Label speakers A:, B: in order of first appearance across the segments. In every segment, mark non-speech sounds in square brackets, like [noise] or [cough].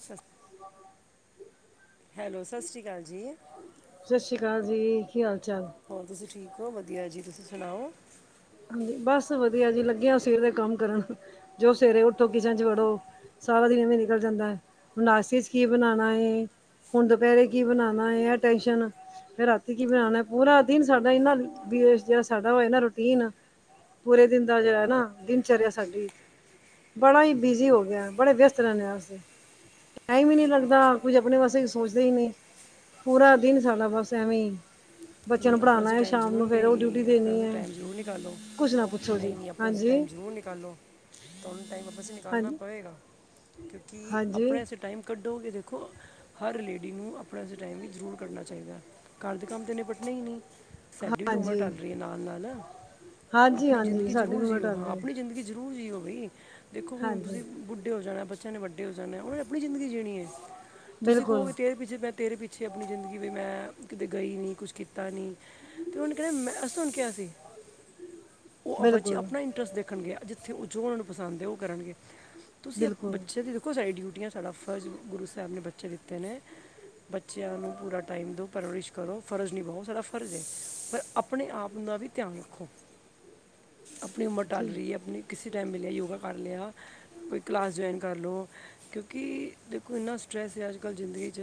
A: ਸਸ, ਹੈਲੋ, ਸਤਿ ਸ਼੍ਰੀ ਅਕਾਲ ਜੀ।
B: ਸਤਿ ਸ਼੍ਰੀ ਅਕਾਲ ਜੀ, ਕੀ ਹਾਲ-ਚਾਲ।
A: ਹੋਰ ਤੁਸੀਂ ਠੀਕ ਹੋ। ਵਧੀਆ ਜੀ, ਤੁਸੀਂ ਸੁਣਾਓ।
B: ਹਾਂਜੀ, ਬਸ ਵਧੀਆ ਜੀ ਲੱਗੇ ਆਂ ਸਵੇਰ ਦੇ ਕੰਮ ਕਰਨ ਜੋ ਸਵੇਰੇ ਉੱਠੋ ਕਿਚਨ ਚ ਵੜੋ ਸਾਰਾ ਦਿਨ ਏਵੇਂ ਨਿਕਲ ਜਾਂਦਾ ਐ, ਹੁਣ ਨਾਸਤੇ ਚ ਕੀ ਬਣਾਣਾ ਐਂ। ਹੁਣ ਦੁਪਹਿਰੇ ਕੀ ਬਣਾਣਾ, ਏ ਟੈਂਸ਼ਨ ਫਿਰ ਰਾਤੀ ਕੀ ਬਣਾਣਾ। ਪੂਰਾ ਦਿਨ ਸਾਡਾ ਇਹ ਨਾਂ ਬੀ ਸ ਜੇੜਾ ਸਾਡਾ ਵੋ ਏ ਨਾਂ ਰੂਟੀਨ ਪੂਰੇ ਦਿਨ ਦਾ ਜੋ ਐ ਨਾ, ਦਿਨਚਰਿਆ ਸਾਡੀ। ਬੜਾ ਈ ਬਿਜੀ ਹੋ ਗਿਆ। ਬੜੇ ਵਿਅਸਤ ਰੈਣੇ ਆਂ ਅਸੀਂ। ਟਾਈਮ ਈ ਨੀਂ ਲੱਗਦਾ। ਕੁੱਝ ਆਪਣੇ ਵਾਸਤੇ ਕ ਸੋਚਦੇ ਈ ਨੀਂ। ਪੂਰਾ ਦਿਨ ਸਾਡਾ ਬਸ ਐਵੇਂ ਈ
A: ਆਪਣੇ ਵਾਸਤੇ ਟਾਈਮ ਜ਼ਰੂਰੀ
B: ਡਿਊਟੀ
A: ਨਈਂ, ਆਪਣੇ
B: ਦੇਣੀ
A: ਵਾਸਤੇ
B: ਹੈ
A: ਟਾਈਮ ਜ਼ਰੂਰ ਨਿਕਾਲੋ।
B: ਕੁਛ ਨਾ ਪੁੱਛੋ ਜੀ
A: ਨਈ ਨਈਂ, ਆਪਣੇ ਵਾਸਤੇ
B: ਹਾਂਜੀ
A: ਟਾਈਮ ਜ਼ਰੂਰ ਨਿਕਾਲੋ। ਤੁਹਨੂੰ ਟਾਈਮ ਵਾਪਸ ਈ
B: ਹਾਂ
A: ਨਿਕਾਲਣਾ ਪੜੇਗਾ ਕਿਉਂਕਿ
B: ਹਾਂਜੀ
A: ਆਪਣੇ ਆਸ ਟਾਈਮ ਕੱਢੋਗੇ। ਦੇਖੋ ਹਰ ਲੇਡੀ ਨੂੰ ਆਪਣੇ ਆਸਤੇ ਟਾਈਮ ਵੀ ਜ਼ਰੂਰ ਕੱਢਣਾ ਚਾਈਦਾ, ਘਰ ਦੇ ਕੰਮ ਤੇ ਨਿਪੜਦੇ ਈ ਨਈਂ। ਸੈਡੀ ਵੀ ਤੇ ਉਮਰ
B: ਹਾਂਜੀ
A: ਟੱਲ ਰੀ ਐ ਨਾਲ-ਨਾਲ।
B: ਹਾਂਜੀ
A: ਆਪਣੀ
B: ਹਾਂਜੀ
A: ਜ਼ਿੰਦਗੀ
B: ਸਾਡੀ ਵੀ
A: ਜ਼ਰੂਰ
B: ਉਮਰ
A: ਜੀਓ
B: ਟਲ
A: ਹਾਂ,
B: ਰਹੀ
A: ਆਪਣੀ ਜ਼ਿੰਦਗੀ ਜ਼ਰੂਰ ਜੀਓ ਬਾਈ। ਦੇਖੋ, ਹੁਣ
B: ਹਾਂਜੀ
A: ਤੁਸੀਂ ਬੁੱਢੇ ਹੋ ਜਾਣਾ, ਬੱਚਿਆਂ ਨੇ ਵੱਡੇ ਹੋ ਜਾਣੇ, ਉਹਨੇ ਆਪਣੀ ਜ਼ਿੰਦਗੀ ਜੀਣੀ ਹੈ। ਤੁਸੀਂ
B: ਬਿਲਕੁਲ
A: ਕਹੋਗੇ, ਤੇਰੇ ਪਿੱਛੇ ਮੈਂ ਤੇਰੇ ਪਿੱਛੇ ਆਪਣੀ ਜ਼ਿੰਦਗੀ ਵੀ ਮੈਂ ਕਿਤੇ ਗਈ ਨਹੀਂ ਕੁਛ ਕੀਤਾ ਨਹੀਂ। ਅਤੇ ਉਹਨੇ ਕਿਹਾ ਮੈਂ ਅਸੀੇ ਕਿਹਾ ਸੀ ਉਹ ਬੱਚੇ
B: ਬਿਲਕੁਲ
A: ਆਪਣਾ ਇੰਟਰਸਟ ਦੇਖ ਰਖਣਗੇ, ਜਿੱਥੇ ਉਹ ਜੋ ਉਹਨਾਂ ਨੂੰ ਪਸੰਦ ਹੈ, ਉਹ ਕਰਨਗੇ ਤੁਸੀਂ
B: ਬਿਲਕੁਲ
A: ਬੱਚੇ ਦੀ ਦੇਖੋ, ਸਾਡੀਆਂ ਡਿਊਟੀਆਂ ਸਾਡਾ ਫਰਜ਼ ਗੁਰੂ ਸਾਹਿਬ ਨੇ ਬੱਚੇ ਦਿੱਤੇ ਨੇ। ਬੱਚਿਆਂ ਨੂੰ ਪੂਰਾ ਟਾਈਮ ਦੋ ਪਰਵਰਿਸ਼ ਕਰੋ, ਫਰਜ਼ ਨਿਭਾਓ ਸਾਡਾ ਫਰਜ ਏ, ਪਰ ਆਪਣੇ ਆਪ ਦਾ ਵੀ ਧਿਆਨ ਰੱਖੋ। ਆਪਣੀ ਉਮਰ ਠੱਲ
B: ਜੀ
A: ਰਹੀ ਹੈ। ਆਪਣੀ ਕਿਸੇ ਟਾਈਮ ਮਿਲਿਆ ਯੋਗਾ ਕਰ ਲਿਆ। ਕੋਈ ਕਲਾਸ ਜਾਇਨ ਕਰ ਲਓ, ਕਿਉਂਕਿ ਦੇਖੋ ਇੰਨਾ ਸਟਟਰੈੱਸ ਹੈ ਅੱਜ ਕੱਲ ਜ਼ਿੰਦਗੀ 'ਚ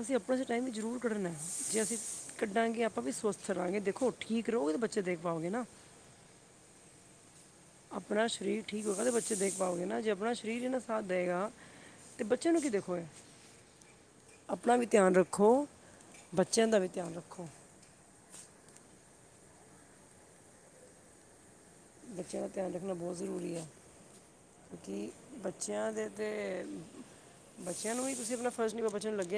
A: ਅਸੀਂ ਆਪਣਾ ਟਾਈਮ ਵੀ ਜ਼ਰੂਰ ਕੱਢਨਾ, ਜੇ ਅਸੀਂ ਕੱਢਾਂਗੇ, ਆਪਾਂ ਵੀ ਸਵਸਥ ਰਹਾਂਗੇ ਦੇਖੋ ਠੀਕ ਰਹੋਗੇ ਬੱਚੇ ਦੇਖ ਪਾਓਗੇ ਨਾ
B: [unintelligible]
A: ਆਪਣਾ ਸਰੀਰ ਠੀਕ ਹੋਏਗਾ, ਤਾਂ ਬੱਚੇ ਦੇਖ ਪਾਓਗੇ ਨਾ ਜੇ ਆਪਣਾ ਸਰੀਰ ਇਹ ਨਾ ਸਾਥ ਦੇਵੇਗਾ। ਤੇ ਬੱਚਿਆਂ ਨੂੰ ਕੀ ਦੇਖੋਗੇ? ਆਪਣਾ ਵੀ ਧਿਆਨ ਰੱਖੋ, ਬੱਚਿਆਂ ਦਾ ਵੀ ਧਿਆਨ ਰੱਖੋ। ਬੱਚਿਆਂ ਦਾ ਧਿਆਨ ਰੱਖਣਾ ਬਹੁਤ ਜ਼ਰੂਰੀ ਹੈ। ਕੀ ਬੱਚਿਆਂ ਦੇ ਤਾਂ ਬੱਚਿਆਂ ਨੂੰ ਵੀ ਤੁਸੀਂ ਆਪਣਾ ਫਰਜ ਨਿਭਾ ਬਚਣ ਲੱਗੇ ਨੇ